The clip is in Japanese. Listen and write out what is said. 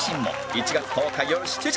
１月１０日よる７時